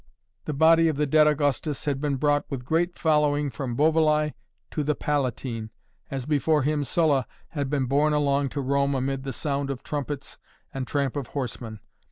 The body of the dead Augustus had been brought with great following from Bovilæ to the Palatine, as before him Sulla had been borne along to Rome amid the sound of trumpets and tramp of horsemen.